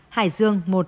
hải dương một